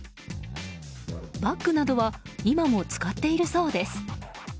バッグなどは今も使っているそうです。